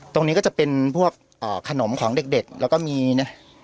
ตรงนี้ก็จะเป็นพวกขนมของเด็กแล้วก็มีนะ